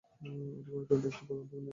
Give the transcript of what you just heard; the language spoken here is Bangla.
এটি গণতন্ত্রের একটি প্রধানতম নিয়ামক।